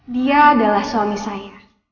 dia adalah suami saya